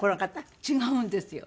違うんですよ。